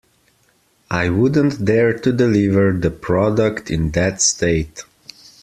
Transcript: I wouldn't dare to deliver the product in that state.